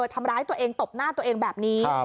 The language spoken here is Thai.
ทำร้ายตัวเองตบหน้าตัวเองแบบนี้